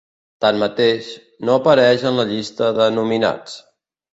Tanmateix, no apareix en la llista de nominats.